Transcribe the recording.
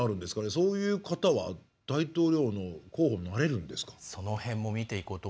そういう方は大統領の候補になれるんですか。